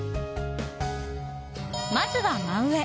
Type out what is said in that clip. まずは真上。